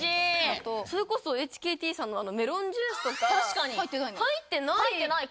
それこそＨＫＴさんの『メロンジュース』とか。